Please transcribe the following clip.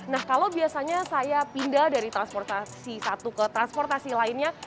nah kalau biasanya saya pindah dari transportasi satu ke transportasi lainnya